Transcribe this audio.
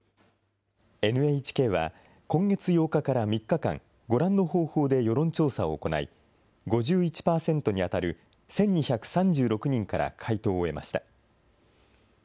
ＮＨＫは、今月８日から３日間、ご覧の方法で世論調査を行い、５１％に当たる１２３６人から回答を得ました。